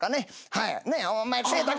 はい。